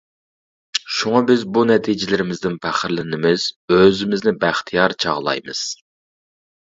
شۇڭا بىز بۇ نەتىجىلىرىمىزدىن پەخىرلىنىمىز، ئۆزىمىزنى بەختىيار چاغلايمىز!